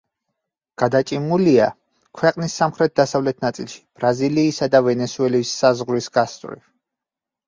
გადაჭიმულია ქვეყნის სამხრეთ-დასავლეთ ნაწილში, ბრაზილიისა და ვენესუელის საზღვრის გასწვრივ.